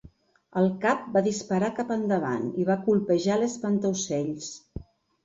El cap va disparar cap endavant i va colpejar l'espantaocells.